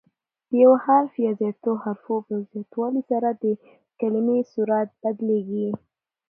د یو حرف یا زیاتو حروفو په زیاتوالي سره د یوې کلیمې صورت بدلیږي.